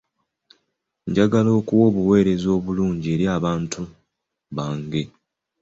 Njagala kuwa obuweereza obulungi eri abantu bange.